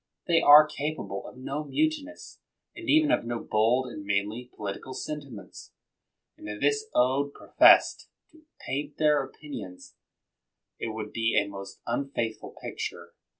They are capable of no mutinous, and even of no bold and manly politi cal sentiments. And if this ode professed to paint their opinions, it would be a most unfaith ful picture.